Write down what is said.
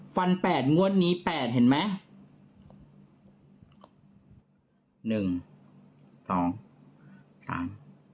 ฟัน๘งวดนี้๘เห็นไหม